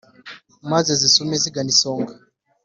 Maze zisume zigana isonga